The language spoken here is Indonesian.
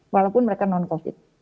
walaupun mereka non covid